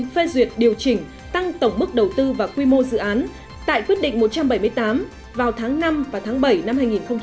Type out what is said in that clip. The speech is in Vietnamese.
phê duyệt điều chỉnh tăng tổng mức đầu tư và quy mô dự án tại quyết định một trăm bảy mươi tám vào tháng năm và tháng bảy năm hai nghìn một mươi chín